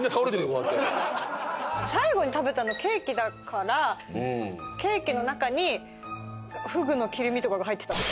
こうやって最後に食べたのケーキだからケーキの中にフグの切り身とかが入ってたとか？